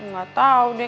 gak tau deh